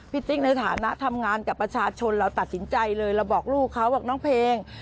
ติ๊กในฐานะทำงานกับประชาชนเราตัดสินใจเลยเราบอกลูกเขาว่าน้องเพลง